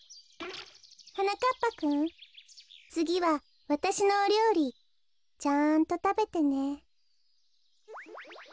はなかっぱくんつぎはわたしのおりょうりちゃんとたべてね。